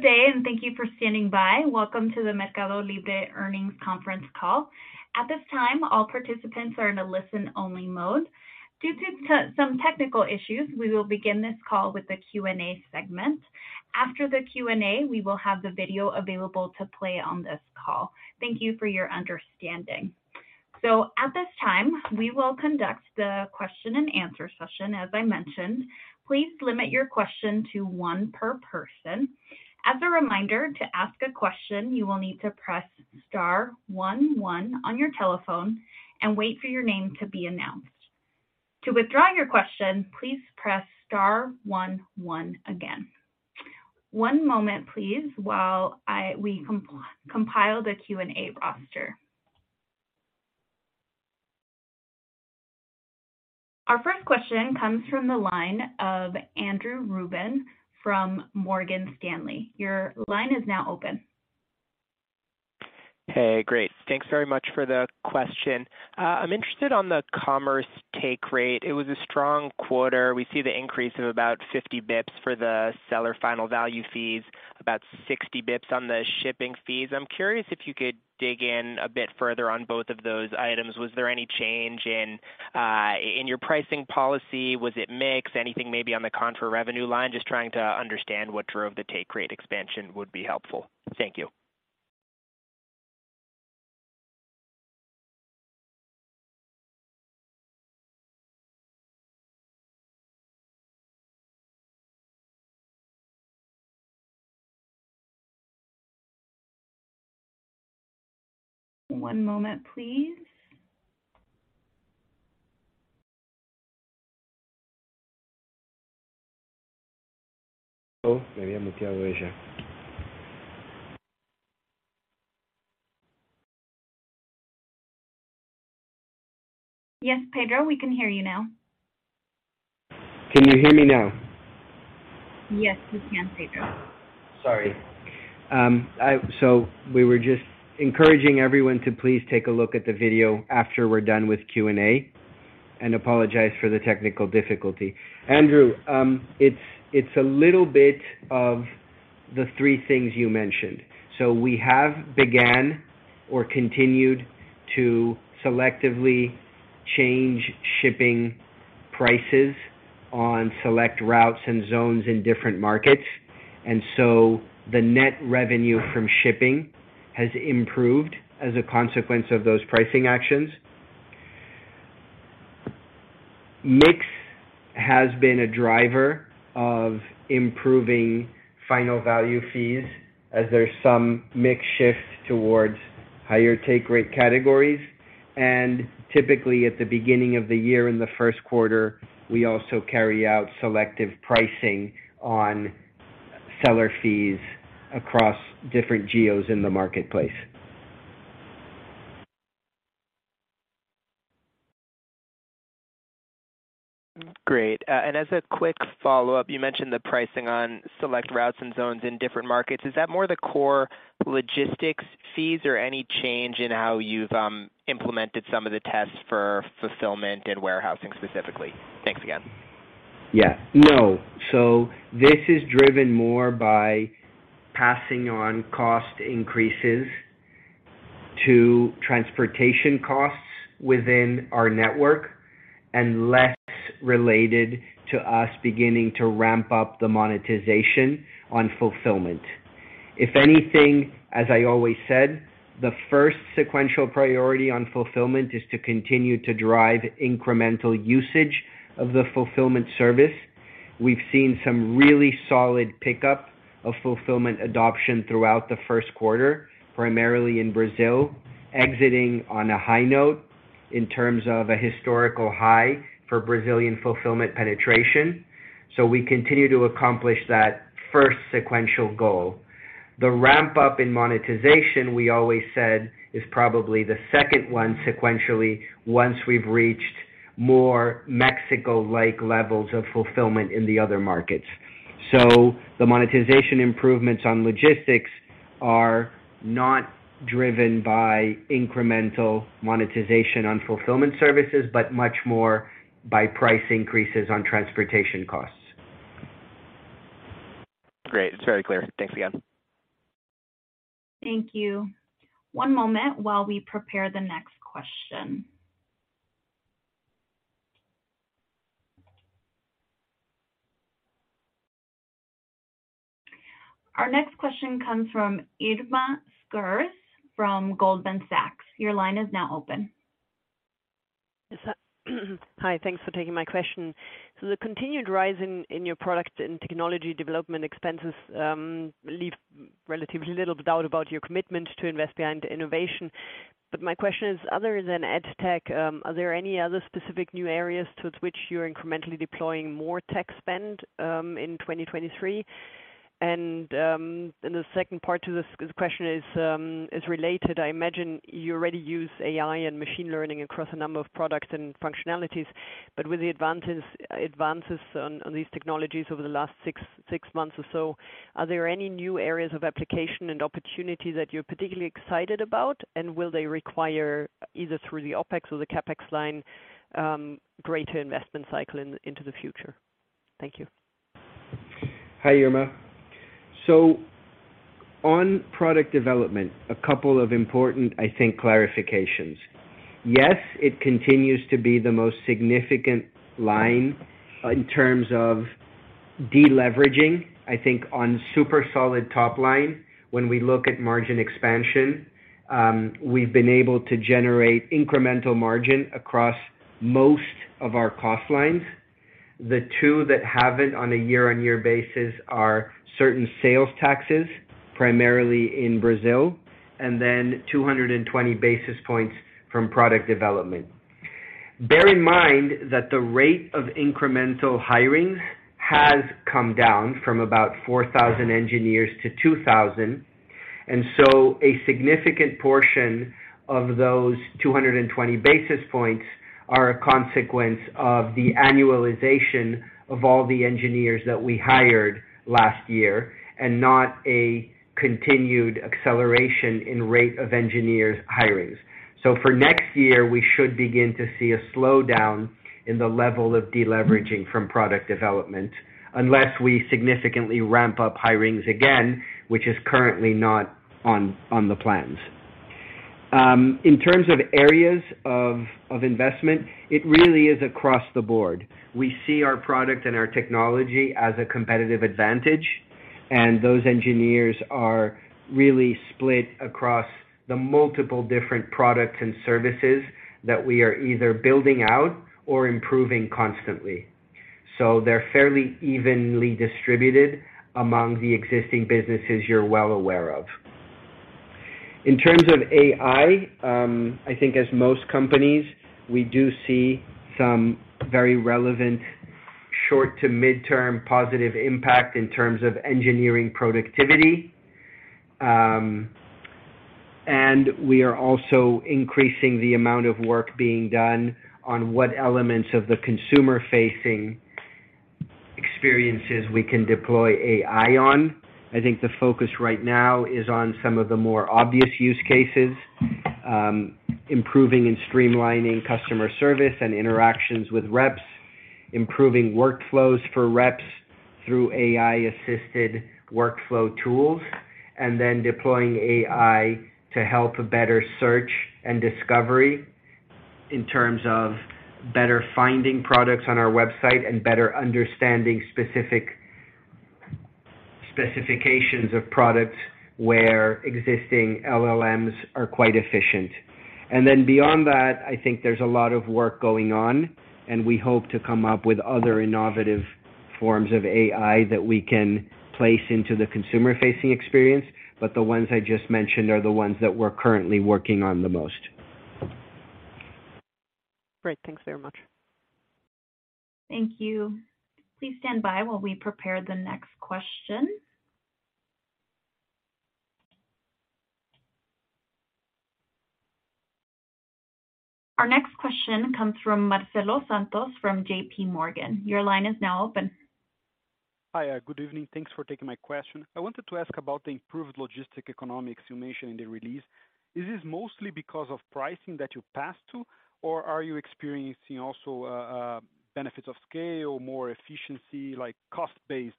Good day. Thank you for standing by. Welcome to the MercadoLibre Earnings Conference Call. At this time, all participants are in a listen-only mode. Due to some technical issues, we will begin this call with the Q&A segment. After the Q&A, we will have the video available to play on this call. Thank you for your understanding. At this time, we will conduct the question-and-answer session as I mentioned. Please limit your question to one per person. As a reminder, to ask a question, you will need to press star one one on your telephone and wait for your name to be announced. To withdraw your question, please press star one one again. One moment, please, while we compile the Q&A roster. Our first question comes from the line of Andrew Ruben from Morgan Stanley. Your line is now open. Hey. Great. Thanks very much for the question. I'm interested on the commerce take rate. It was a strong quarter. We see the increase of about 50 basis points for the seller final value fees, about 60 basis points on the shipping fees. I'm curious if you could dig in a bit further on both of those items. Was there any change in your pricing policy? Was it mix? Anything maybe on the contra revenue line? Just trying to understand what drove the take rate expansion would be helpful. Thank you. One moment, please. Yes, Pedro, we can hear you now. Can you hear me now? Yes, we can, Pedro. Sorry. We were just encouraging everyone to please take a look at the video after we're done with Q&A and apologize for the technical difficulty. Andrew, it's a little bit of the three things you mentioned. We have began or continued to selectively change shipping prices on select routes and zones in different markets. The net revenue from shipping has improved as a consequence of those pricing actions. Mix has been a driver of improving final value fees as there's some mix shift towards higher take rate categories. Typically, at the beginning of the year in the Q1, we also carry out selective pricing on seller fees across different geos in the marketplace. Great. As a quick follow-up, you mentioned the pricing on select routes and zones in different markets. Is that more the core logistics fees or any change in how you've implemented some of the tests for fulfillment and warehousing specifically? Thanks again. No. This is driven more by passing on cost increases to transportation costs within our network and less related to us beginning to ramp up the monetization on fulfillment. If anything, as I always said, the first sequential priority on fulfillment is to continue to drive incremental usage of the fulfillment service. We've seen some really solid pickup of fulfillment adoption throughout the Q1, primarily in Brazil, exiting on a high note in terms of a historical high for Brazilian fulfillment penetration. We continue to accomplish that first sequential goal. The ramp-up in monetization, we always said, is probably the second one sequentially once we've reached more Mexico-like levels of fulfillment in the other markets. The monetization improvements on logistics are not driven by incremental monetization on fulfillment services, but much more by price increases on transportation costs. Great. It's very clear. Thanks again. Thank you. One moment while we prepare the next question. Our next question comes from Irma Sgarz from Goldman Sachs. Your line is now open. Yes. Hi. Thanks for taking my question. The continued rise in your product and technology development expenses leave relatively little doubt about your commitment to invest behind innovation. My question is, other than edtech, are there any other specific new areas towards which you're incrementally deploying more tech spend in 2023? The second part to this question is related. I imagine you already use AI and machine learning across a number of products and functionalities. With the advances on these technologies over the last six months or so, are there any new areas of application and opportunity that you're particularly excited about? Will they require either through the OpEx or the CapEx line, greater investment cycle into the future? Thank you. Hi, Irma. On product development, a couple of important, I think, clarifications. Yes, it continues to be the most significant line in terms of deleveraging. I think on super solid top line, when we look at margin expansion, we've been able to generate incremental margin across most of our cost lines. The two that haven't on a year-on-year basis are certain sales taxes, primarily in Brazil, and then 220 basis points from product development. Bear in mind that the rate of incremental hiring has come down from about 4,000 engineers to 2,000. A significant portion of those 220 basis points are a consequence of the annualization of all the engineers that we hired last year, and not a continued acceleration in rate of engineers hirings. For next year, we should begin to see a slowdown in the level of deleveraging from product development unless we significantly ramp up hirings again, which is currently not on the plans. In terms of areas of investment, it really is across the board. We see our product and our technology as a competitive advantage, and those engineers are really split across the multiple different products and services that we are either building out or improving constantly. They're fairly evenly distributed among the existing businesses you're well aware of. In terms of AI, I think as most companies, we do see some very relevant short to mid-term positive impact in terms of engineering productivity. We are also increasing the amount of work being done on what elements of the consumer-facing experiences we can deploy AI on. I think the focus right now is on some of the more obvious use cases, improving and streamlining customer service and interactions with reps, improving workflows for reps through AI-assisted workflow tools, and then deploying AI to help better search and discovery in terms of better finding products on our website and better understanding specific specifications of products where existing LLMs are quite efficient. Beyond that, I think there's a lot of work going on, and we hope to come up with other innovative forms of AI that we can place into the consumer-facing experience. The ones I just mentioned are the ones that we're currently working on the most. Great. Thanks very much. Thank you. Please stand by while we prepare the next question. Our next question comes from Marcelo Santos from JPMorgan. Your line is now open. Hi. Good evening. Thanks for taking my question. I wanted to ask about the improved logistic economics you mentioned in the release. Is this mostly because of pricing that you passed to, or are you experiencing also, benefits of scale, more efficiency, like cost-based,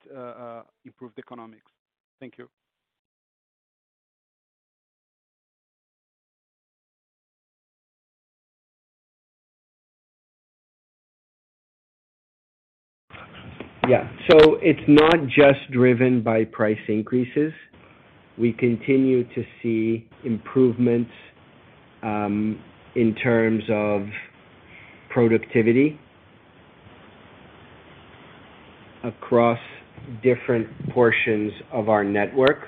improved economics? Thank you. Yeah. It's not just driven by price increases. We continue to see improvements, in terms of productivity across different portions of our network.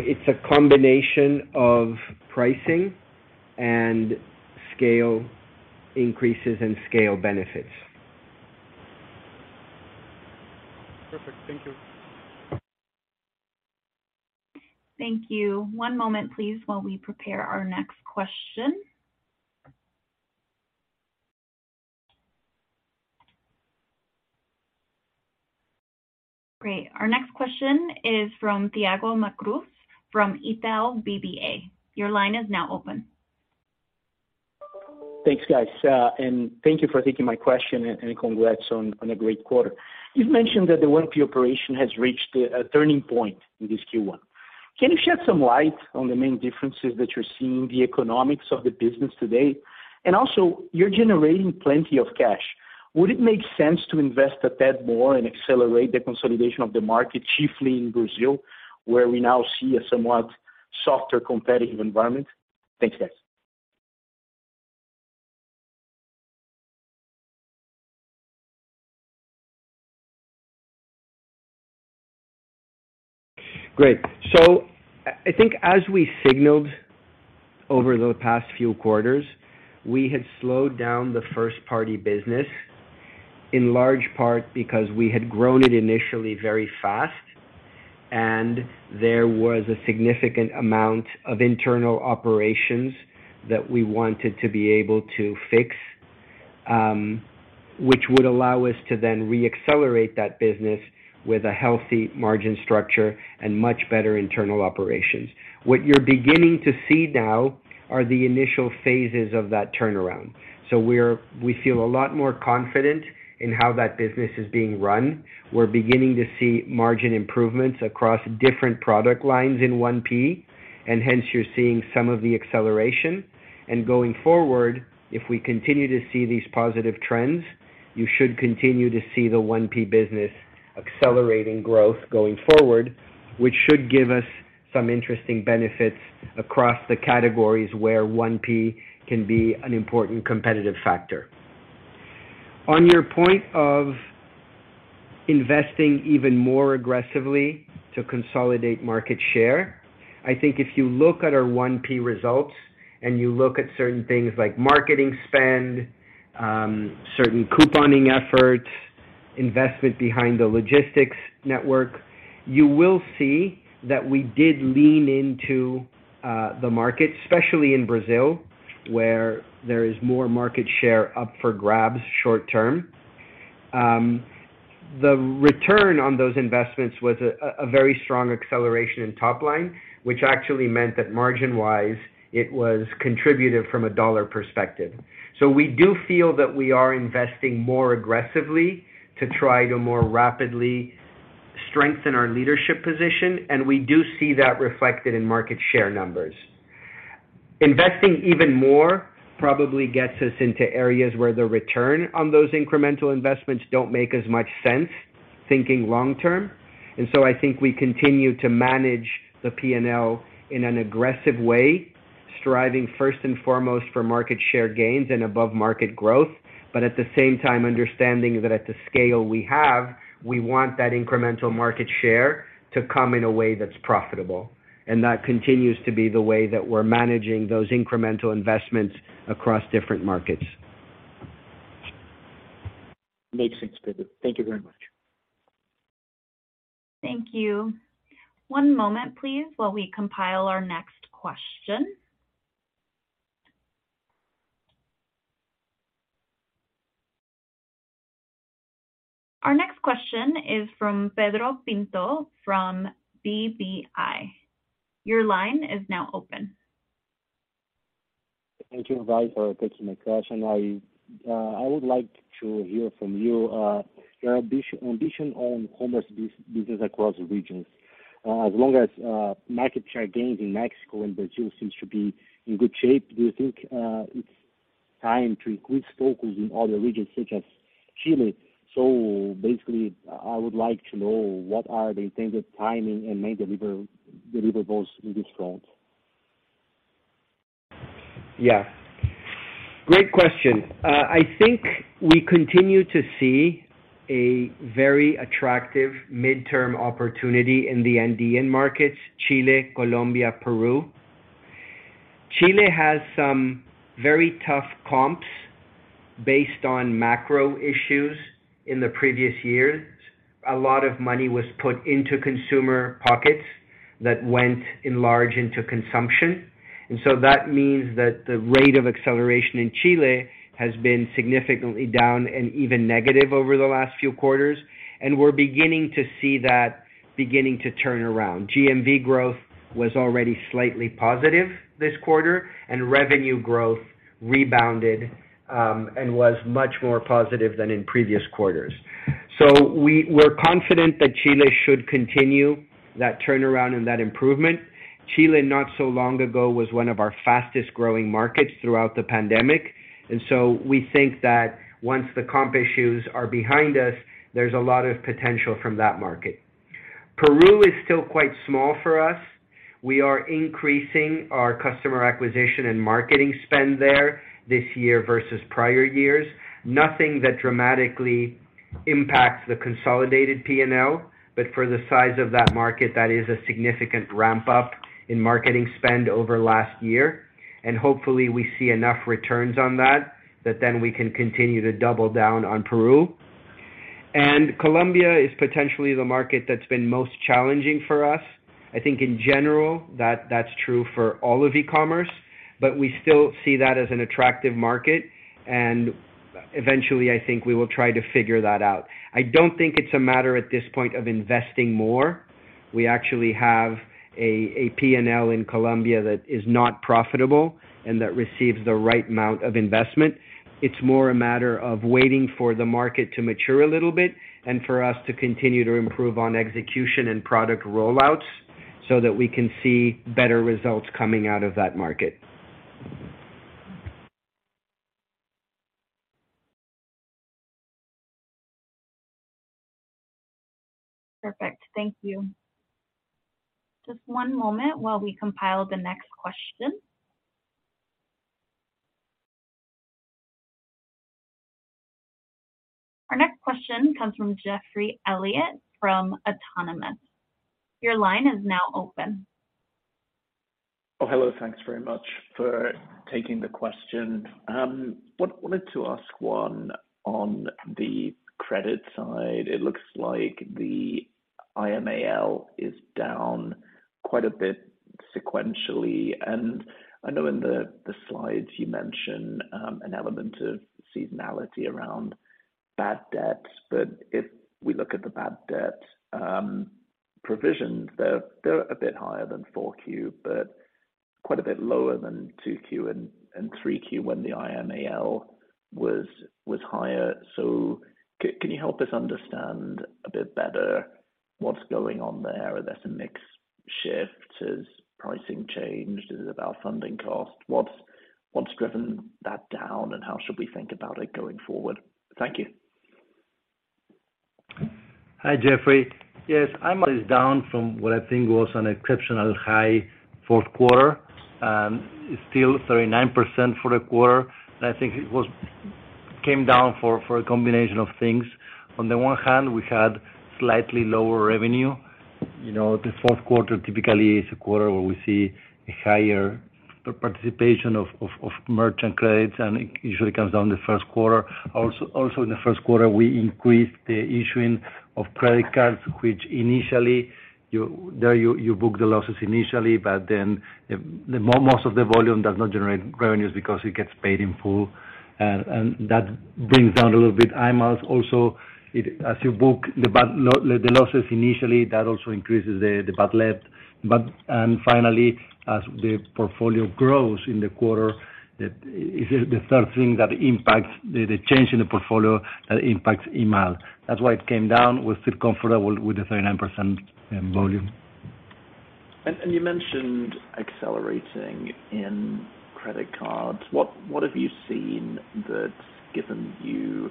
It's a combination of pricing and scale increases and scale benefits. Perfect. Thank you. Thank you. One moment, please, while we prepare our next question. Great. Our next question is from Thiago Macruz from ItaúBBA. Your line is now open. Thanks, guys. Thank you for taking my question, and congrats on a great quarter. You've mentioned that the 1P operation has reached a turning point in this Q1. Can you shed some light on the main differences that you're seeing the economics of the business today? Also, you're generating plenty of cash. Would it make sense to invest a tad more and accelerate the consolidation of the market, chiefly in Brazil, where we now see a somewhat softer competitive environment? Thank you, guys. Great. I think as we signaled over the past few quarters, we had slowed down the first-party business, in large part because we had grown it initially very fast and there was a significant amount of internal operations that we wanted to be able to fix, which would allow us to re-accelerate that business with a healthy margin structure and much better internal operations. What you're beginning to see now are the initial phases of that turnaround. We feel a lot more confident in how that business is being run. We're beginning to see margin improvements across different product lines in 1P, hence you're seeing some of the acceleration. Going forward, if we continue to see these positive trends, you should continue to see the 1P business accelerating growth going forward, which should give us some interesting benefits across the categories where 1P can be an important competitive factor. On your point of investing even more aggressively to consolidate market share, I think if you look at our 1P results and you look at certain things like marketing spend, certain couponing efforts, investment behind the logistics network, you will see that we did lean into the market, especially in Brazil, where there is more market share up for grabs short-term. The return on those investments was a very strong acceleration in top line, which actually meant that margin wise, it was contributive from a dollar perspective. We do feel that we are investing more aggressively to try to more rapidly strengthen our leadership position, and we do see that reflected in market share numbers. Investing even more probably gets us into areas where the return on those incremental investments don't make as much sense, thinking long-term. I think we continue to manage the P&L in an aggressive way, striving first and foremost for market share gains and above market growth. At the same time, understanding that at the scale we have, we want that incremental market share to come in a way that's profitable. That continues to be the way that we're managing those incremental investments across different markets. Makes sense, David. Thank you very much. Thank you. One moment, please, while we compile our next question. Our next question is from Pedro Pinto from BBI. Your line is now open. Thank you, guys, for taking my question. I would like to hear from you, your ambition on commerce business across the regions. As long as market share gains in Mexico and Brazil seems to be in good shape, do you think it's time to increase focus in other regions such as Chile? Basically, I would like to know what are the intended timing and main deliverables in this front. Great question. I think we continue to see a very attractive mid-term opportunity in the Andean markets, Chile, Colombia, Peru. Chile has some very tough comps based on macro issues in the previous years. A lot of money was put into consumer pockets that went in large into consumption. That means that the rate of acceleration in Chile has been significantly down and even negative over the last few quarters. We're beginning to see that turn around. GMV growth was already slightly positive this quarter, and revenue growth rebounded and was much more positive than in previous quarters. We're confident that Chile should continue that turnaround and that improvement. Chile, not so long ago, was one of our fastest-growing markets throughout the pandemic. We think that once the comp issues are behind us, there's a lot of potential from that market. Peru is still quite small for us. We are increasing our customer acquisition and marketing spend there this year versus prior years. Nothing that dramatically impacts the consolidated P&L, but for the size of that market, that is a significant ramp-up in marketing spend over last year. Hopefully we see enough returns on that then we can continue to double down on Peru. Colombia is potentially the market that's been most challenging for us. I think in general, that's true for all of e-commerce, but we still see that as an attractive market. Eventually, I think we will try to figure that out. I don't think it's a matter at this point of investing more. We actually have a P&L in Colombia that is not profitable and that receives the right amount of investment. It's more a matter of waiting for the market to mature a little bit and for us to continue to improve on execution and product rollouts so that we can see better results coming out of that market. Perfect. Thank you. Just one moment while we compile the next question. Our next question comes from Geoffrey Elliott from Autonomous Research. Your line is now open. Hello. Thanks very much for taking the question. What I wanted to ask. On the credit side, it looks like the IMAL is down quite a bit sequentially. I know in the slides you mentioned an element of seasonality around bad debt. If we look at the bad debt provisions, they're a bit higher than Q4, but quite a bit lower than Q2 and Q3 when the IMAL was higher. Can you help us understand a bit better what's going on there? Are there some mix shifts? Has pricing changed? Is it about funding cost? What's driven that down, and how should we think about it going forward? Thank you. Hi, Geoffrey. Yes, IMAL is down from what I think was an exceptional high Q4. Still 39% for the quarter. I think it came down for a combination of things. On the one hand, we had slightly lower revenue. You know, the Q4 typically is a quarter where we see a higher participation of merchant credits, and it usually comes down the Q1. Also in the Q1, we increased the issuing of credit cards, which initially you book the losses initially, but then most of the volume does not generate revenues because it gets paid in full. That brings down a little bit IMAL. Also, as you book the bad losses initially, that also increases the bad debt. And finally, as the portfolio grows in the quarter, it is the third thing that impacts the change in the portfolio that impacts IMAL. That's why it came down. We're still comfortable with the 39% volume. You mentioned accelerating in credit cards. What have you seen that's given you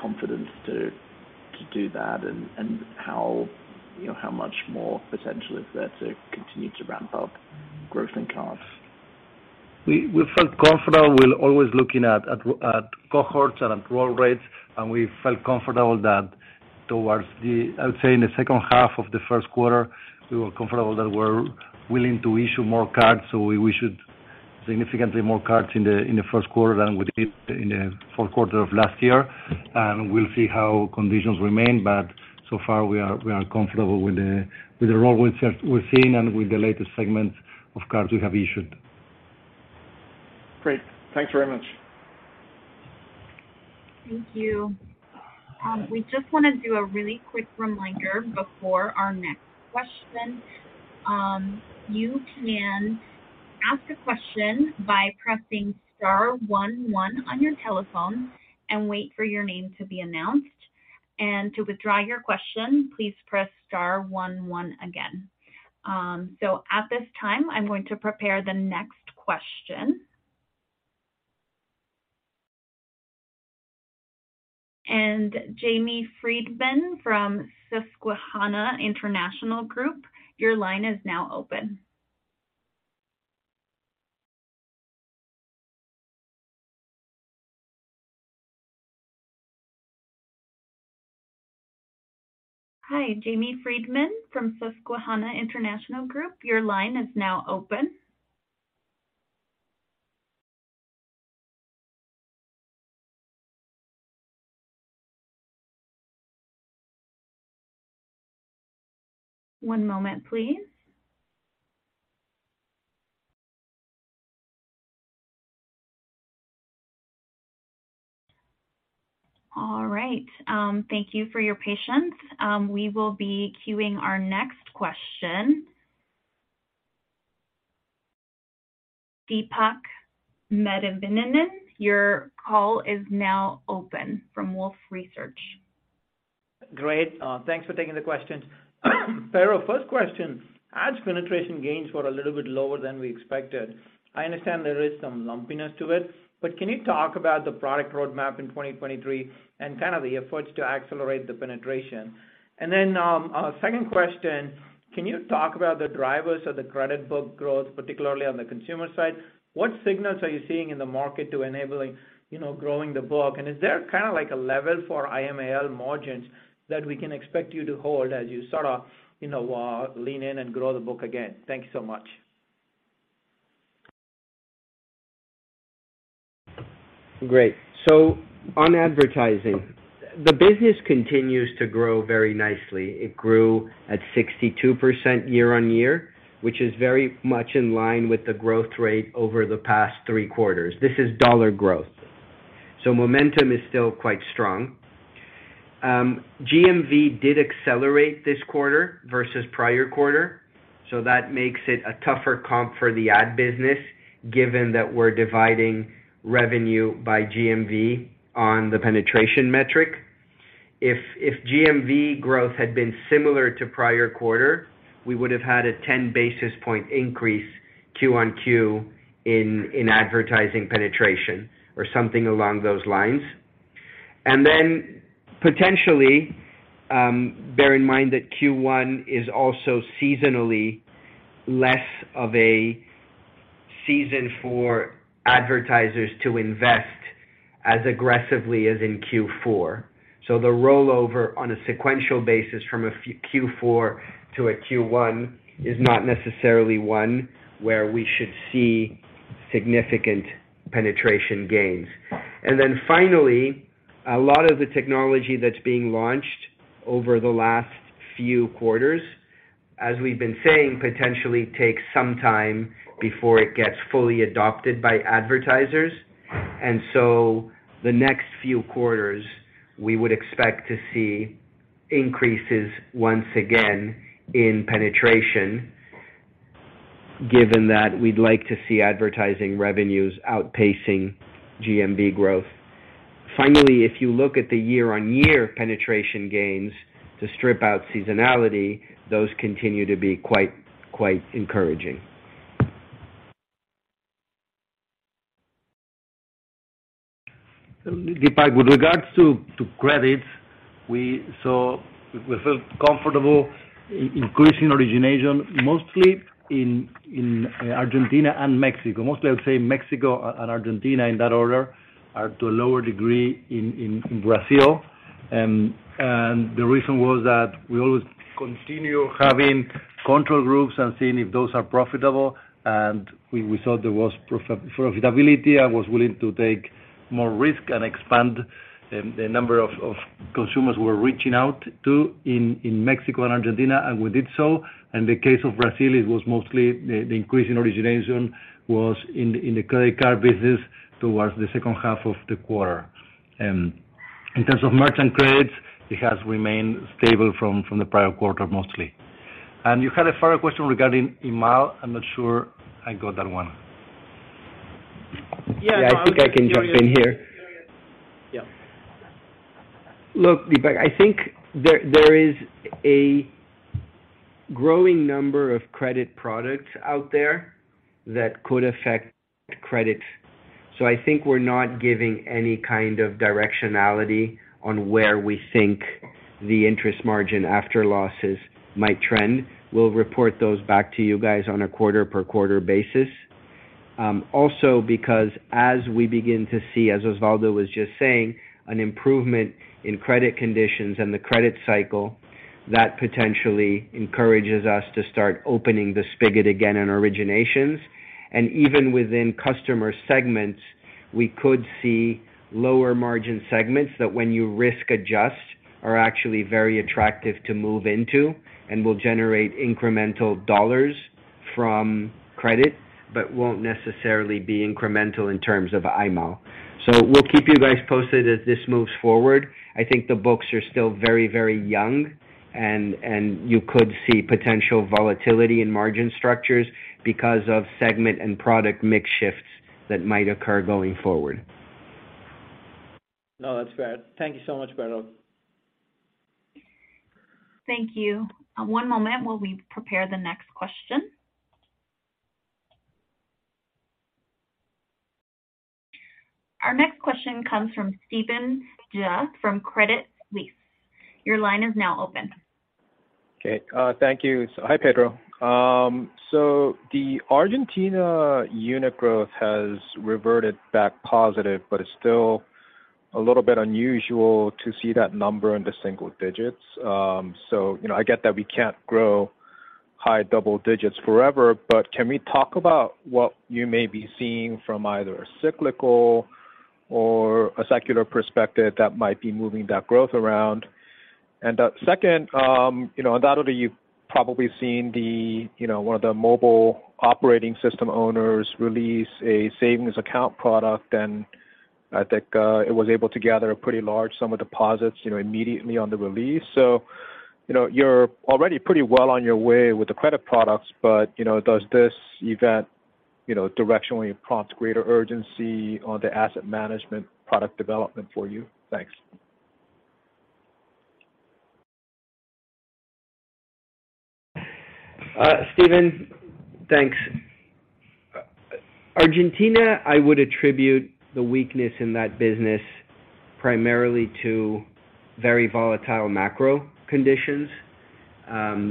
confidence to do that? How, you know, how much more potential is there to continue to ramp up growth in cards? We felt comfortable. We're always looking at cohorts and at growth rates, and we felt comfortable that I would say in the second half of the Q1, we were comfortable that we're willing to issue more cards. We should significantly more cards in the Q1 than we did in the Q4 of last year. We'll see how conditions remain, but so far we are comfortable with the role we've seen and with the latest segment of cards we have issued. Great. Thanks very much. Thank you. We just wanna do a really quick reminder before our next question. You can ask a question by pressing star one one on your telephone and wait for your name to be announced. To withdraw your question, please press star one one again. At this time, I'm going to prepare the next question. Hi, Jamie Friedman from Susquehanna International Group, your line is now open. One moment, please. All right. Thank you for your patience. We will be queuing our next question. Deepak Mathivanan, your call is now open from Wolfe Research. Great. Thanks for taking the questions. Pedro, first question. Ads penetration gains were a little bit lower than we expected. I understand there is some lumpiness to it, can you talk about the product roadmap in 2023 and kind of the efforts to accelerate the penetration? Second question, can you talk about the drivers of the credit book growth, particularly on the consumer side? What signals are you seeing in the market to enabling, you know, growing the book? Is there kind of like a level for IMAL margins that we can expect you to hold as you sort of, you know, lean in and grow the book again? Thank you so much. Great. On advertising, the business continues to grow very nicely. It grew at 62% year-on-year, which is very much in line with the growth rate over the past three quarters. This is dollar growth, momentum is still quite strong. GMV did accelerate this quarter versus prior quarter, that makes it a tougher comp for the ad business, given that we're dividing revenue by GMV on the penetration metric. If GMV growth had been similar to prior quarter, we would have had a 10 basis point increase Q-on-Q in advertising penetration or something along those lines. Potentially, bear in mind that Q1 is also seasonally less of a season for advertisers to invest as aggressively as in Q4. The rollover on a sequential basis from a Q4 to a Q1 is not necessarily one where we should see. Significant penetration gains. Finally, a lot of the technology that's being launched over the last few quarters, as we've been saying, potentially takes some time before it gets fully adopted by advertisers. The next few quarters, we would expect to see increases once again in penetration, given that we'd like to see advertising revenues outpacing GMV growth. If you look at the year-on-year penetration gains to strip out seasonality, those continue to be quite encouraging. Deepak, with regards to credit, we felt comfortable increasing origination, mostly in Argentina and Mexico. Mostly, I would say Mexico and Argentina in that order, are to a lower degree in Brazil. The reason was that we always continue having control groups and seeing if those are profitable. We thought there was profitability. I was willing to take more risk and expand the number of consumers we're reaching out to in Mexico and Argentina, and we did so. In the case of Brazil, it was mostly the increase in origination was in the credit card business towards the second half of the quarter. In terms of merchant credits, it has remained stable from the prior quarter, mostly. You had a follow-up question regarding IMAL. I'm not sure I got that one. Yeah, I think I can jump in here. Yeah. Look, Deepak, I think there is a growing number of credit products out there that could affect credit. I think we're not giving any kind of directionality on where we think the interest margin after losses might trend. We'll report those back to you guys on a quarter per quarter basis. Also because as we begin to see, as Osvaldo was just saying, an improvement in credit conditions and the credit cycle, that potentially encourages us to start opening the spigot again in originations. Even within customer segments, we could see lower margin segments that when you risk adjust, are actually very attractive to move into and will generate incremental dollars from credit, but won't necessarily be incremental in terms of IMAL. We'll keep you guys posted as this moves forward. I think the books are still very, very young and you could see potential volatility in margin structures because of segment and product mix shifts that might occur going forward. No, that's fair. Thank you so much, Pedro. Thank you. One moment while we prepare the next question. Our next question comes from Stephen Ju from Credit Suisse. Your line is now open. Thank you. Hi, Pedro. The Argentina unit growth has reverted back positive, but it's still a little bit unusual to see that number in the single digits. You know, I get that we can't grow high double digits forever, but can we talk about what you may be seeing from either a cyclical or a secular perspective that might be moving that growth around? Second, you know, no doubt you've probably seen the, you know, one of the mobile operating system owners release a savings account product, and I think it was able to gather a pretty large sum of deposits, you know, immediately on the release. You know, you're already pretty well on your way with the credit products, but, you know, does this event, you know, directionally prompt greater urgency on the asset management product development for you? Thanks. Stephen, thanks. Argentina, I would attribute the weakness in that business primarily to very volatile macro conditions.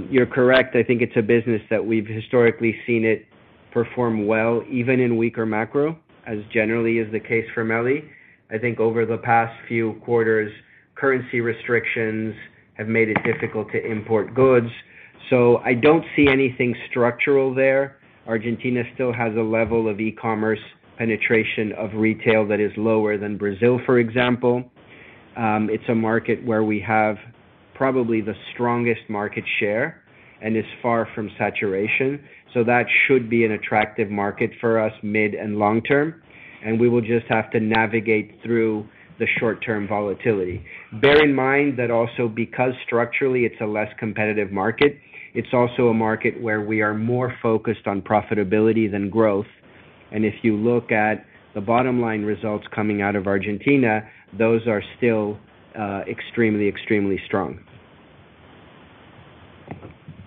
You're correct, I think it's a business that we've historically seen it perform well, even in weaker macro, as generally is the case for MELI. I think over the past few quarters, currency restrictions have made it difficult to import goods, so I don't see anything structural there. Argentina still has a level of e-commerce penetration of retail that is lower than Brazil, for example. It's a market where we have probably the strongest market share and is far from saturation. That should be an attractive market for us mid and long term, and we will just have to navigate through the short-term volatility. Bear in mind that also because structurally it's a less competitive market, it's also a market where we are more focused on profitability than growth. If you look at the bottom line results coming out of Argentina, those are still extremely strong.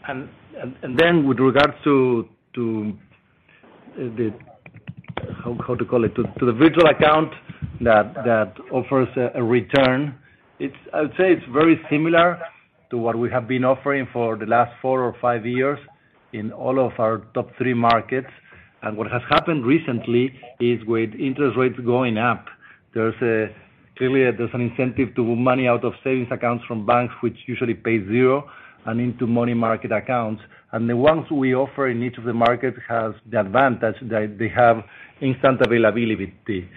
Then with regards to the virtual account that offers a return, it's I would say it's very similar to what we have been offering for the last four or five years in all of our top three markets. What has happened recently is with interest rates going up. Clearly, there's an incentive to move money out of savings accounts from banks which usually pay zero and into money market accounts. The ones we offer in each of the markets has the advantage that they have instant availability.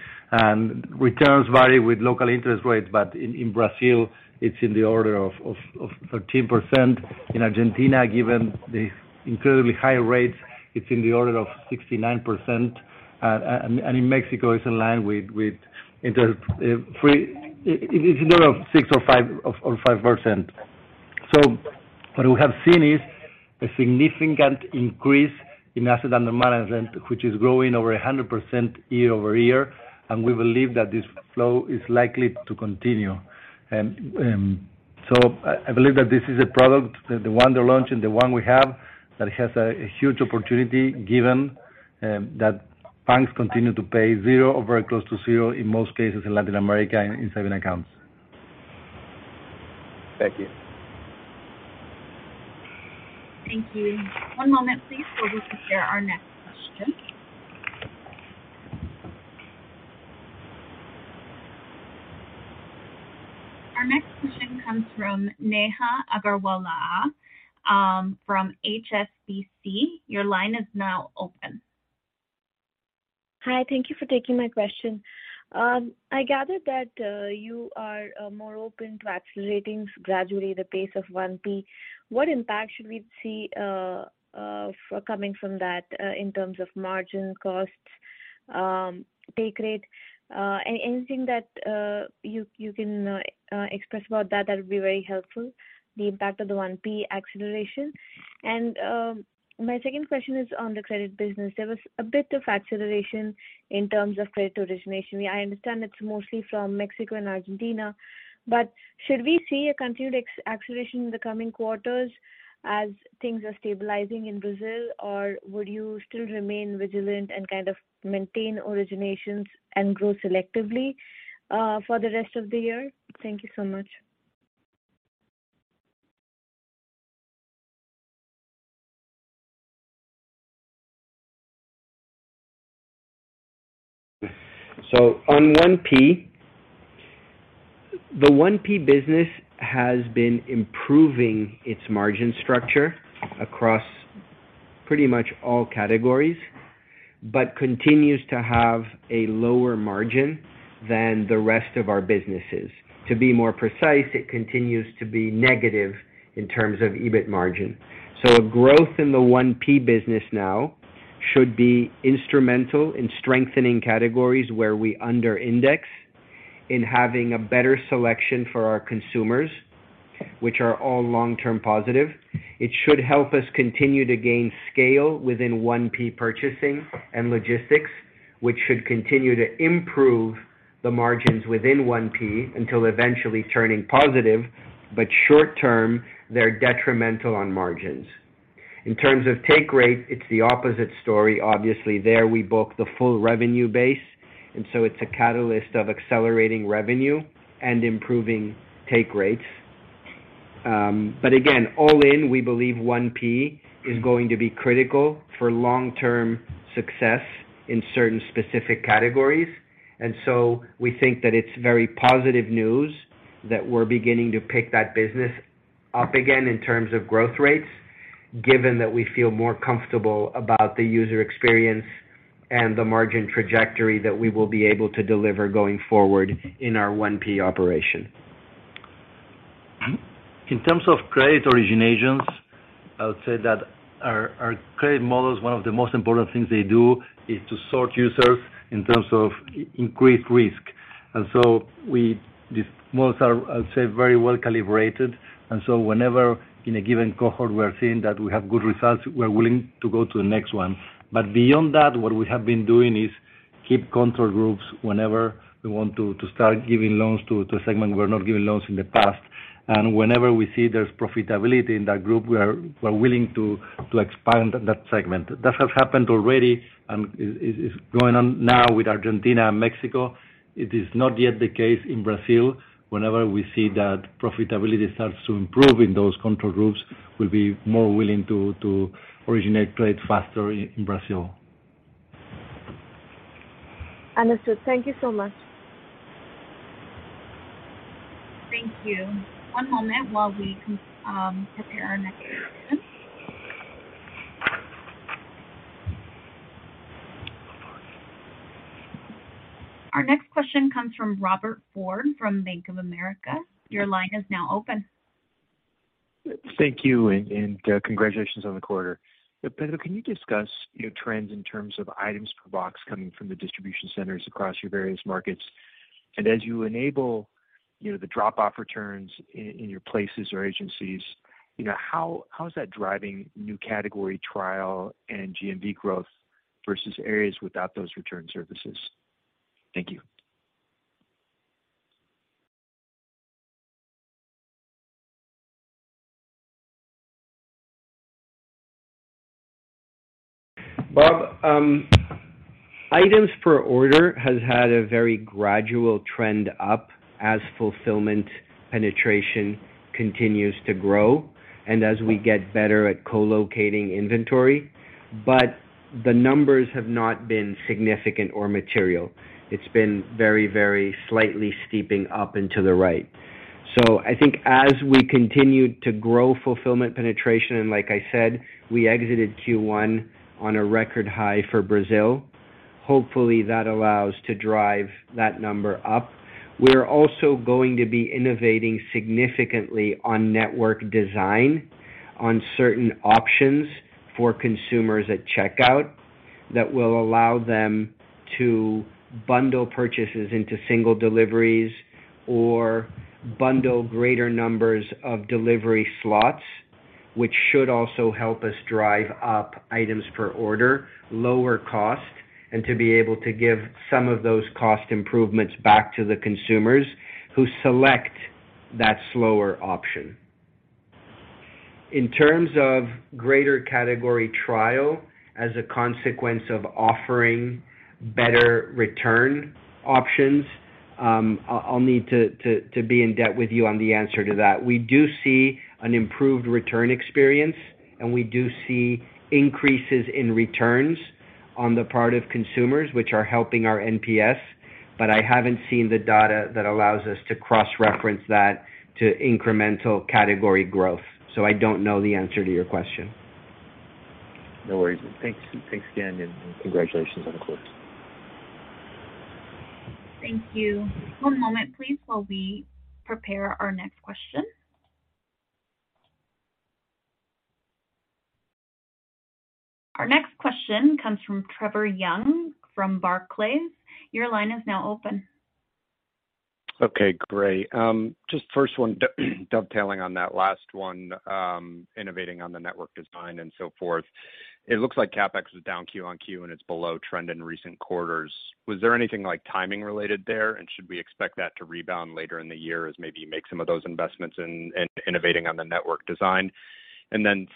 Returns vary with local interest rates, but in Brazil, it's in the order of 13%. In Argentina, given the incredibly high rates, it's in the order of 69%. In Mexico, it's in line with. It's in the order of 6% or 5%. What we have seen is a significant increase in assets under management, which is growing over 100% year-over-year, and we believe that this flow is likely to continue. I believe that this is a product, the one the launch and the one we have, that has a huge opportunity given that banks continue to pay zero or very close to zero in most cases in Latin America in saving accounts. Thank you. Thank you. One moment please, while we prepare our next question. Our next question comes from Neha Agarwala, from HSBC. Your line is now open. Hi, thank you for taking my question. I gather that you are more open to accelerating gradually the pace of 1P. What impact should we see for coming from that in terms of margin costs, take rate, anything that you can express about that would be very helpful, the impact of the 1P acceleration. My second question is on the credit business. There was a bit of acceleration in terms of credit origination. I understand it's mostly from Mexico and Argentina, should we see a continued ex-acceleration in the coming quarters as things are stabilizing in Brazil? Would you still remain vigilant and kind of maintain originations and grow selectively for the rest of the year? Thank you so much. On 1P, the 1P business has been improving its margin structure across pretty much all categories, continues to have a lower margin than the rest of our businesses. To be more precise, it continues to be negative in terms of EBIT margin. A growth in the 1P business now should be instrumental in strengthening categories where we under index in having a better selection for our consumers, which are all long-term positive. It should help us continue to gain scale within 1P purchasing and logistics, which should continue to improve the margins within 1P until eventually turning positive, short term, they're detrimental on margins. In terms of take rate, it's the opposite story. Obviously, there we book the full revenue base, it's a catalyst of accelerating revenue and improving take rates. All in, we believe 1P is going to be critical for long-term success in certain specific categories. We think that it's very positive news that we're beginning to pick that business up again in terms of growth rates, given that we feel more comfortable about the user experience and the margin trajectory that we will be able to deliver going forward in our 1P operation. In terms of credit originations, I would say that our credit models, one of the most important things they do is to sort users in terms of increased risk. These models are, I'll say, very well calibrated. Whenever in a given cohort we are seeing that we have good results, we're willing to go to the next one. Beyond that, what we have been doing is keep control groups whenever we want to start giving loans to a segment we're not giving loans in the past. Whenever we see there's profitability in that group, we're willing to expand that segment. That has happened already and is going on now with Argentina and Mexico. It is not yet the case in Brazil. Whenever we see that profitability starts to improve in those control groups, we'll be more willing to originate credit faster in Brazil. Understood. Thank you so much. Thank you. One moment while we prepare our next question. Our next question comes from Robert Ford from Bank of America. Your line is now open. Thank you and, congratulations on the quarter. Pedro, can you discuss your trends in terms of items per box coming from the distribution centers across your various markets? As you enable, you know, the drop-off returns in your places or agencies, you know, how is that driving new category trial and GMV growth versus areas without those return services? Thank you. Rob, items per order has had a very gradual trend up as fulfillment penetration continues to grow and as we get better at co-locating inventory. The numbers have not been significant or material. It's been very, very slightly steeping up into the right. I think as we continue to grow fulfillment penetration, and like I said, we exited Q1 on a record high for Brazil. Hopefully, that allows to drive that number up. We're also going to be innovating significantly on network design on certain options for consumers at checkout that will allow them to bundle purchases into single deliveries or bundle greater numbers of delivery slots, which should also help us drive up items per order, lower cost, and to be able to give some of those cost improvements back to the consumers who select that slower option. In terms of greater category trial as a consequence of offering better return options, I'll need to be in debt with you on the answer to that. We do see an improved return experience, and we do see increases in returns on the part of consumers, which are helping our NPS, but I haven't seen the data that allows us to cross-reference that to incremental category growth. I don't know the answer to your question. No worries. Thanks. Thanks again, and congratulations on the quarter. Thank you. One moment, please, while we prepare our next question. Our next question comes from Trevor Young from Barclays. Your line is now open. Okay, great. Just first one, dovetailing on that last one, innovating on the network design and so forth. It looks like CapEx is down Q-on-Q and it's below trend in recent quarters. Was there anything like timing related there? Should we expect that to rebound later in the year as maybe you make some of those investments in innovating on the network design?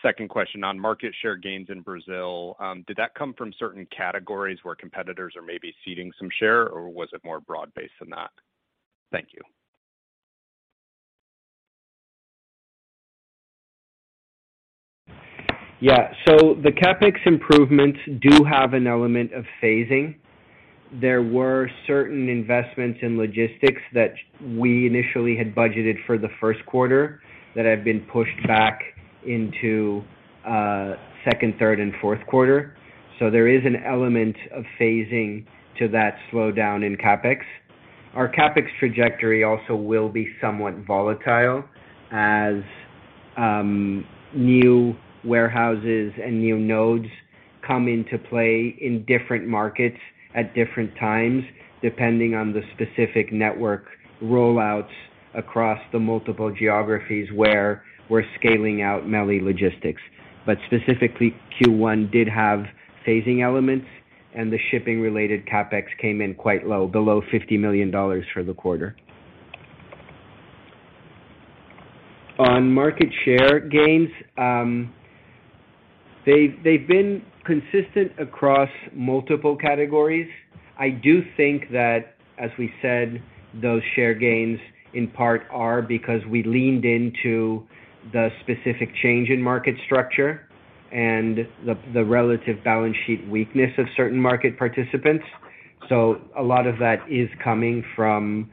Second question on market share gains in Brazil, did that come from certain categories where competitors are maybe seeding some share, or was it more broad-based than that? Thank you. The CapEx improvements do have an element of phasing. There were certain investments in logistics that we initially had budgeted for the Q1 that have been pushed back into second, third, and Q4. There is an element of phasing to that slowdown in CapEx. Our CapEx trajectory also will be somewhat volatile as new warehouses and new nodes come into play in different markets at different times, depending on the specific network rollouts across the multiple geographies where we're scaling out MELI Logistics. Specifically, Q1 did have phasing elements, and the shipping related CapEx came in quite low, below $50 million for the quarter. On market share gains, they've been consistent across multiple categories. I do think that as we said, those share gains in part are because we leaned into the specific change in market structure and the relative balance sheet weakness of certain market participants. A lot of that is coming from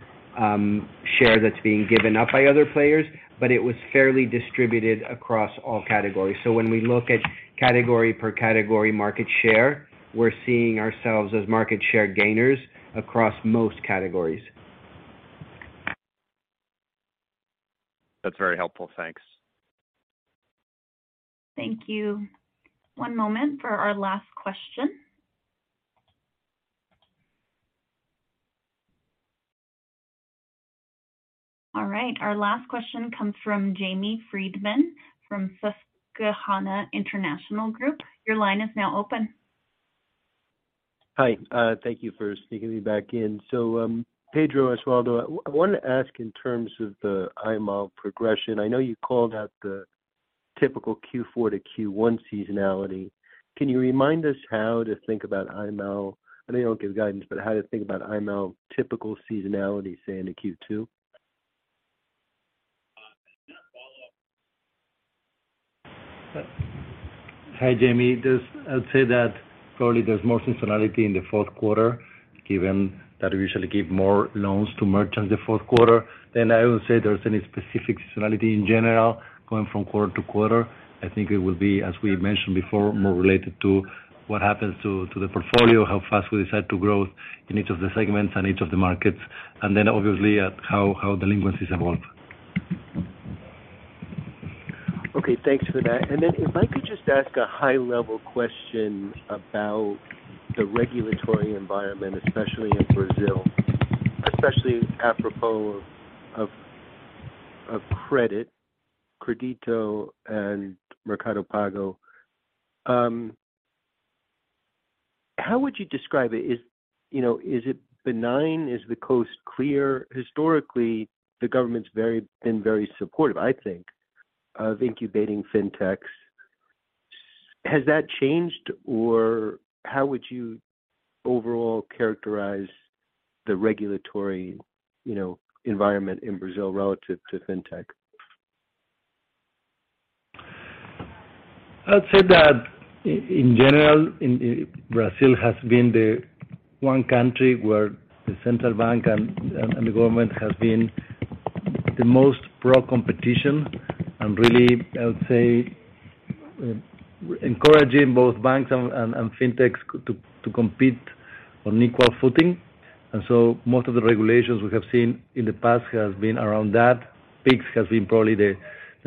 share that's being given up by other players, but it was fairly distributed across all categories. When we look at category per category market share, we're seeing ourselves as market share gainers across most categories. That's very helpful. Thanks. Thank you. One moment for our last question. All right. Our last question comes from Jamie Friedman from Susquehanna International Group. Your line is now open. Hi. thank you for sneaking me back in. Pedro Osvaldo, I wanted to ask in terms of the IMAL progression, I know you called out the typical Q4-Q1 seasonality. Can you remind us how to think about IMAL? I know you don't give guidance, but how to think about IMAL typical seasonality, say, into Q2? Then a follow-up. Hi, Jamie. I'd say that probably there's more seasonality in the Q4, given that we usually give more loans to merchants in the Q4 than I would say there's any specific seasonality in general going from quarter to quarter. I think it will be, as we mentioned before, more related to what happens to the portfolio, how fast we decide to grow in each of the segments and each of the markets, and then obviously at how delinquencies evolve. Okay, thanks for that. If I could just ask a high-level question about the regulatory environment, especially in Brazil, especially apropos of credit, Crédito and Mercado Pago. How would you describe it? You know, is it benign? Is the coast clear? Historically, the government's been very supportive, I think, of incubating fintechs. Has that changed, or how would you overall characterize the regulatory, you know, environment in Brazil relative to fintech? I'd say that in general, Brazil has been the one country where the central bank and the government has been the most pro-competition and really, I would say, encouraging both banks and fintechs to compete on equal footing. Most of the regulations we have seen in the past has been around that. Pix has been probably the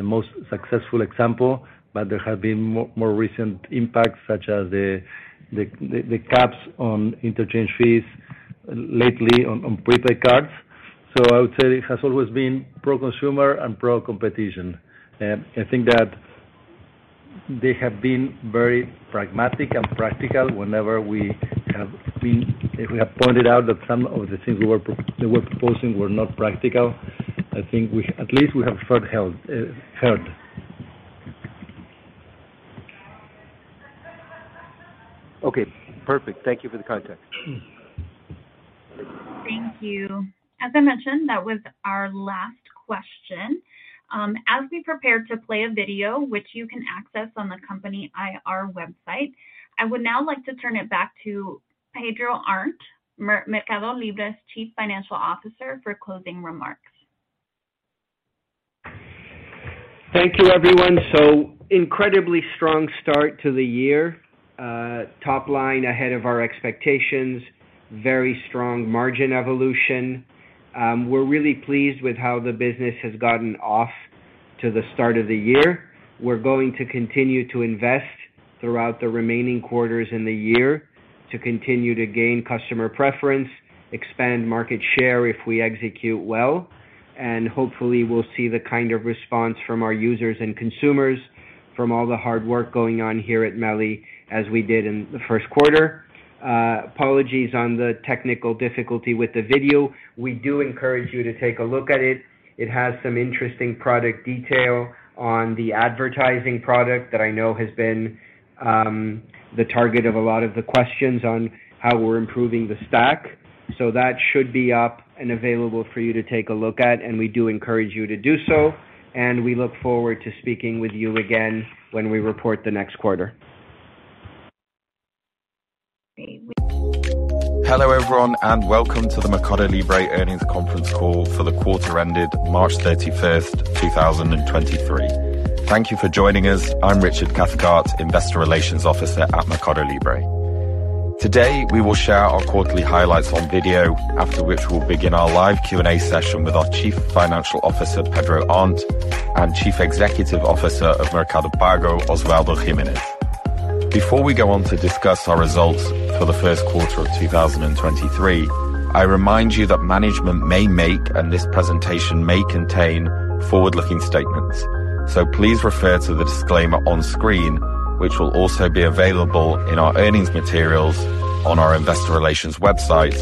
most successful example, but there have been more recent impacts, such as the caps on interchange fees lately on prepaid cards. I would say it has always been pro-consumer and pro-competition. I think that they have been very pragmatic and practical. If we have pointed out that some of the things we were proposing were not practical, I think we at least we have felt heard. Okay, perfect. Thank you for the context. Thank you. As I mentioned, that was our last question. As we prepare to play a video, which you can access on the company IR website, I would now like to turn it back to Pedro Arnt, MercadoLibre's Chief Financial Officer, for closing remarks. Thank you, everyone. Incredibly strong start to the year. Top line ahead of our expectations. Very strong margin evolution. We're really pleased with how the business has gotten off to the start of the year. We're going to continue to invest throughout the remaining quarters in the year to continue to gain customer preference, expand market share if we execute well, and hopefully we'll see the kind of response from our users and consumers from all the hard work going on here at MELI as we did in the Q1. Apologies on the technical difficulty with the video. We do encourage you to take a look at it. It has some interesting product detail on the advertising product that I know has been, the target of a lot of the questions on how we're improving the stack. That should be up and available for you to take a look at, and we do encourage you to do so, and we look forward to speaking with you again when we report the next quarter. Great. Hello, everyone, welcome to the MercadoLibre Earnings Conference Call for the quarter ended March 31st, 2023. Thank you for joining us. I'm Richard Cathcart, Investor Relations Officer at MercadoLibre. Today, we will share our quarterly highlights on video, after which we'll begin our live Q&A session with our Chief Financial Officer, Pedro Arnt, and Chief Executive Officer of Mercado Pago, Osvaldo Gimenez. Before we go on to discuss our results for the Q1 of 2023, I remind you that management may make, this presentation may contain, forward-looking statements. Please refer to the disclaimer on screen, which will also be available in our earnings materials on our investor relations website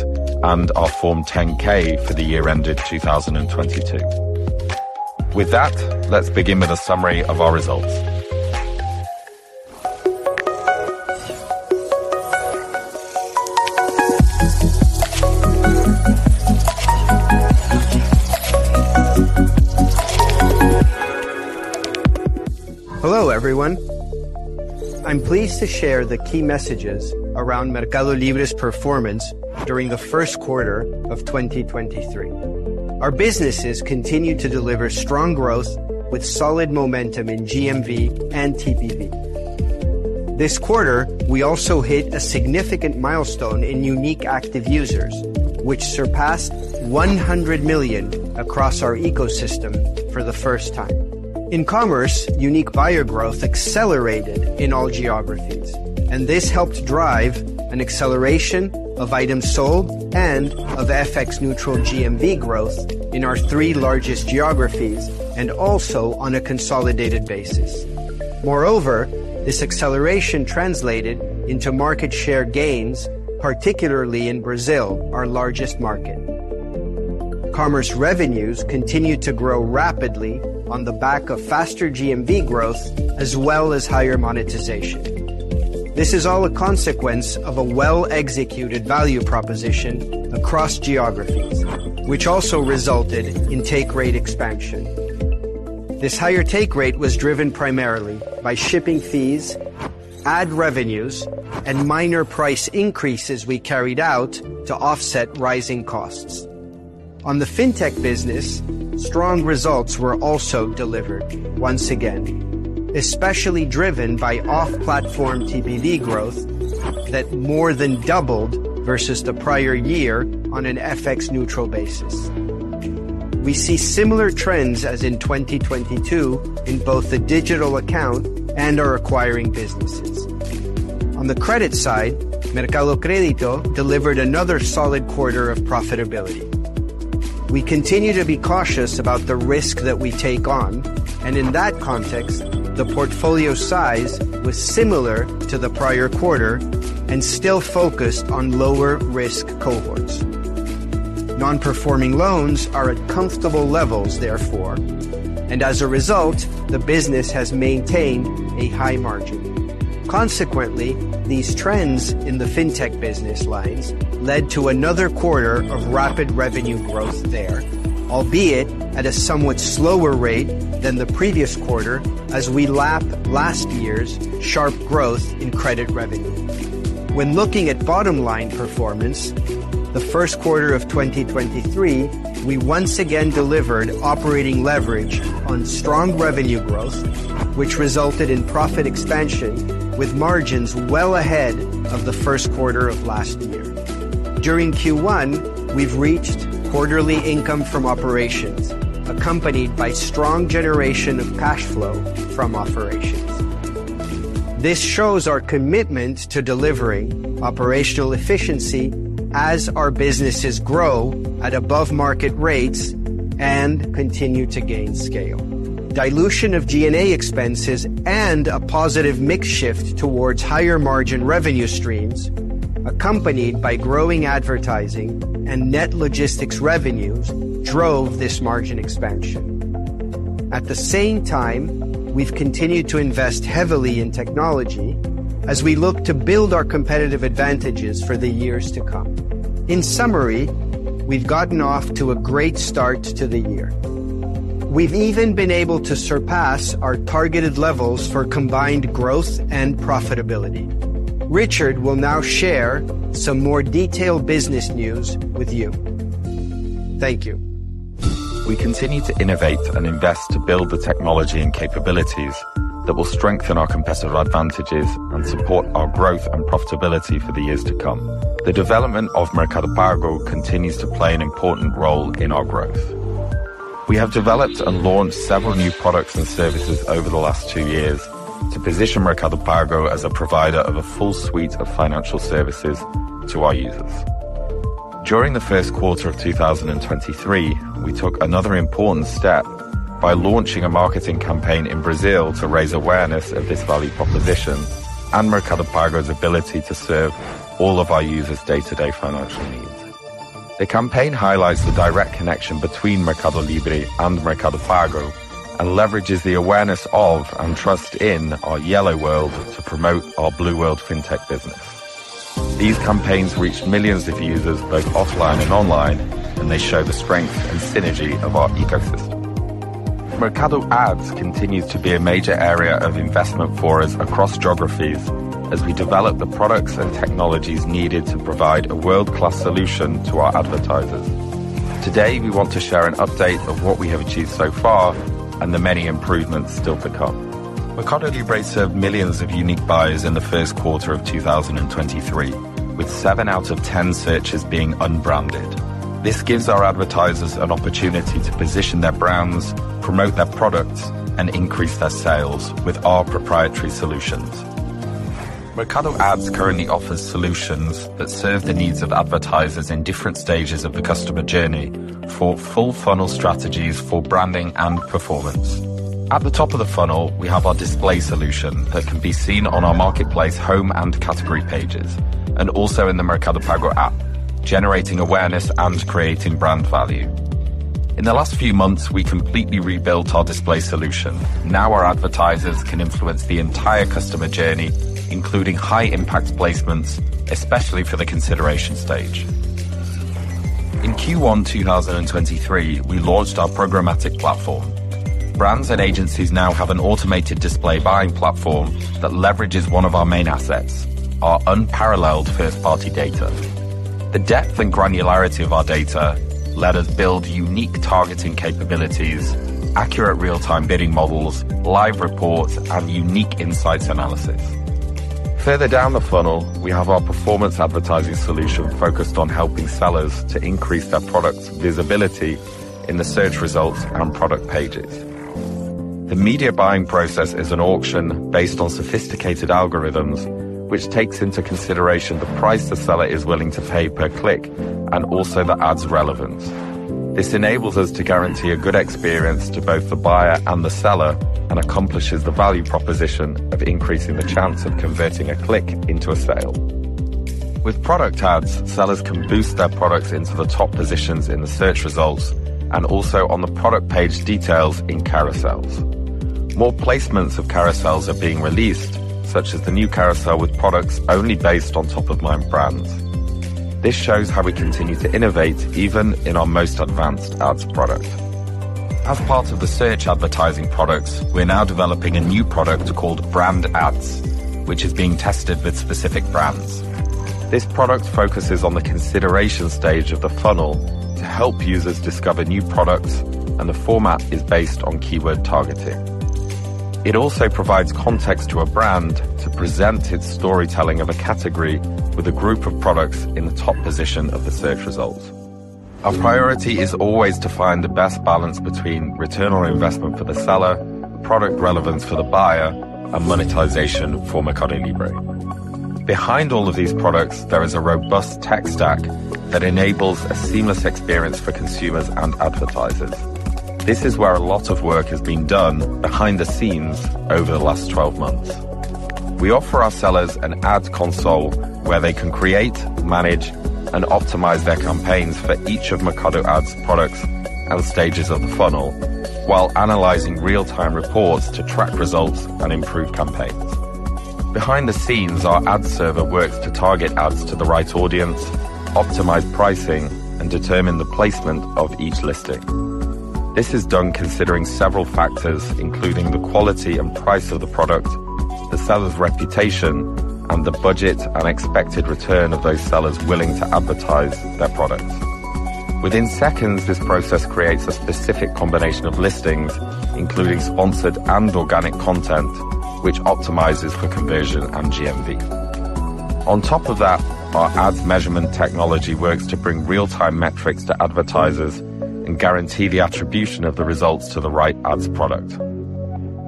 and our Form 10-K for the year ended 2022. With that, let's begin with a summary of our results. Hello, everyone. I'm pleased to share the key messages around MercadoLibre's performance during the Q1 of 2023. Our businesses continued to deliver strong growth with solid momentum in GMV and TPV. This quarter, we also hit a significant milestone in unique active users, which surpassed 100 million across our ecosystem for the first time. In commerce, unique buyer growth accelerated in all geographies, and this helped drive an acceleration of items sold and of FX neutral GMV growth in our three largest geographies, and also on a consolidated basis. Moreover, this acceleration translated into market share gains, particularly in Brazil, our largest market. Commerce revenues continued to grow rapidly on the back of faster GMV growth as well as higher monetization. This is all a consequence of a well-executed value proposition across geographies, which also resulted in take rate expansion. This higher take rate was driven primarily by shipping fees, ad revenues, and minor price increases we carried out to offset rising costs. On the fintech business, strong results were also delivered once again, especially driven by off-platform TPV growth that more than doubled versus the prior year on an FX neutral basis. We see similar trends as in 2022 in both the digital account and our acquiring businesses. On the credit side, Mercado Crédito delivered another solid quarter of profitability. We continue to be cautious about the risk that we take on, and in that context, the portfolio size was similar to the prior quarter and still focused on lower risk cohorts. Non-performing loans are at comfortable levels, therefore, and as a result, the business has maintained a high margin. Consequently, these trends in the fintech business lines led to another quarter of rapid revenue growth there, albeit at a somewhat slower rate than the previous quarter as we lap last year's sharp growth in credit revenue. When looking at bottom line performance, the Q1 of 2023, we once again delivered operating leverage on strong revenue growth, which resulted in profit expansion with margins well ahead of the Q1 of last year. During Q1, we've reached quarterly income from operations, accompanied by strong generation of cash flow from operations. This shows our commitment to delivering operational efficiency as our businesses grow at above market rates and continue to gain scale. Dilution of G&A expenses and a positive mix shift towards higher margin revenue streams, accompanied by growing advertising and net logistics revenues drove this margin expansion. At the same time, we've continued to invest heavily in technology as we look to build our competitive advantages for the years to come. In summary, we've gotten off to a great start to the year. We've even been able to surpass our targeted levels for combined growth and profitability. Richard will now share some more detailed business news with you. Thank you. We continue to innovate and invest to build the technology and capabilities that will strengthen our competitive advantages and support our growth and profitability for the years to come. The development of Mercado Pago continues to play an important role in our growth. We have developed and launched several new products and services over the last two years to position Mercado Pago as a provider of a full suite of financial services to our users. During the Q1 of 2023, we took another important step by launching a marketing campaign in Brazil to raise awareness of this value proposition and Mercado Pago's ability to serve all of our users' day-to-day financial needs. The campaign highlights the direct connection between MercadoLibre and Mercado Pago and leverages the awareness of and trust in our yellow world to promote our blue world fintech business. These campaigns reach millions of users both offline and online, they show the strength and synergy of our ecosystem. Mercado Ads continues to be a major area of investment for us across geographies as we develop the products and technologies needed to provide a world-class solution to our advertisers. Today, we want to share an update of what we have achieved so far and the many improvements still to come. MercadoLibre served millions of unique buyers in the Q1 of 2023, with 7 out of 10 searches being unbranded. This gives our advertisers an opportunity to position their brands, promote their products, and increase their sales with our proprietary solutions. Mercado Ads currently offers solutions that serve the needs of advertisers in different stages of the customer journey for full funnel strategies for branding and performance. At the top of the funnel, we have our display solution that can be seen on our marketplace home and category pages, and also in the Mercado Pago app, generating awareness and creating brand value. In the last few months, we completely rebuilt our display solution. Now our advertisers can influence the entire customer journey, including high impact placements, especially for the consideration stage. In Q1 2023, we launched our programmatic platform. Brands and agencies now have an automated display buying platform that leverages one of our main assets, our unparalleled first-party data. The depth and granularity of our data let us build unique targeting capabilities, accurate real-time bidding models, live reports, and unique insights analysis. Further down the funnel, we have our performance advertising solution focused on helping sellers to increase their products' visibility in the search results and product pages. The media buying process is an auction based on sophisticated algorithms, which takes into consideration the price the seller is willing to pay per click and also the ad's relevance. This enables us to guarantee a good experience to both the buyer and the seller and accomplishes the value proposition of increasing the chance of converting a click into a sale. With Product Ads, sellers can boost their products into the top positions in the search results and also on the product page details in carousels. More placements of carousels are being released, such as the new carousel with products only based on top-of-mind brands. This shows how we continue to innovate even in our most advanced ads product. As part of the search advertising products, we're now developing a new product called Brand Ads, which is being tested with specific brands. This product focuses on the consideration stage of the funnel to help users discover new products, and the format is based on keyword targeting. It also provides context to a brand to present its storytelling of a category with a group of products in the top position of the search results. Our priority is always to find the best balance between return on investment for the seller, product relevance for the buyer, and monetization for MercadoLibre. Behind all of these products, there is a robust tech stack that enables a seamless experience for consumers and advertisers. This is where a lot of work has been done behind the scenes over the last 12 months. We offer our sellers an Ad Console where they can create, manage, and optimize their campaigns for each of Mercado Ads products and stages of the funnel while analyzing real-time reports to track results and improve campaigns. Behind the scenes, our Ad Server works to target ads to the right audience, optimize pricing, and determine the placement of each listing. This is done considering several factors, including the quality and price of the product, the seller's reputation, and the budget and expected return of those sellers willing to advertise their products. Within seconds, this process creates a specific combination of listings, including sponsored and organic content, which optimizes for conversion and GMV. On top of that, our ads measurement technology works to bring real-time metrics to advertisers and guarantee the attribution of the results to the right ads product.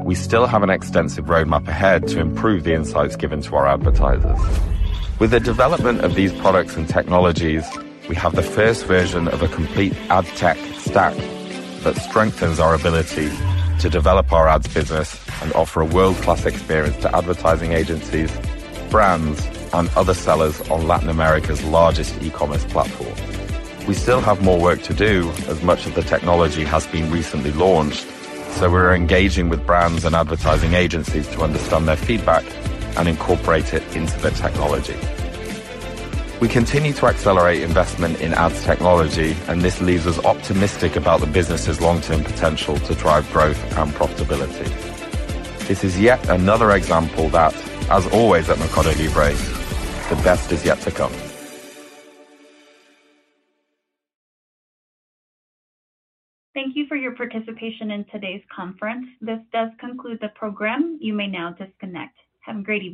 We still have an extensive roadmap ahead to improve the insights given to our advertisers. With the development of these products and technologies, we have the first version of a complete ad tech stack that strengthens our ability to develop our ads business and offer a world-class experience to advertising agencies, brands, and other sellers on Latin America's largest e-commerce platform. We still have more work to do as much of the technology has been recently launched, so we're engaging with brands and advertising agencies to understand their feedback and incorporate it into the technology. We continue to accelerate investment in ads technology, and this leaves us optimistic about the business's long-term potential to drive growth and profitability. This is yet another example that, as always at MercadoLibre, the best is yet to come. Thank you for your participation in today's conference. This does conclude the program. You may now disconnect. Have a great day.